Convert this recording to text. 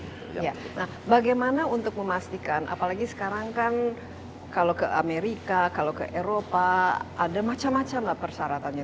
nah bagaimana untuk memastikan apalagi sekarang kan kalau ke amerika kalau ke eropa ada macam macam lah persyaratannya